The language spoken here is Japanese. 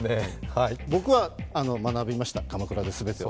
僕は学びました、鎌倉で全てを。